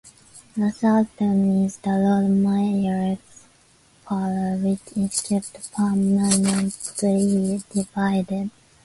The south room is the Lord Mayor's Parlour which is kept permanently divided.